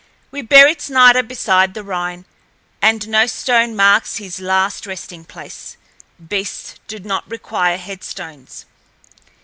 We buried Snider beside the Rhine, and no stone marks his last resting place. Beasts do not require headstones.